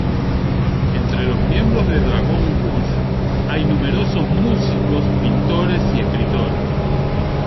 Entre los miembros de Dragon Rouge hay numerosos músicos, pintores y escritores.